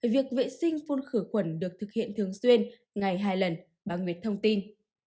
việc vệ sinh phun khử quần được thực hiện thường xuyên ngày hai lần bằng nguyệt thông tin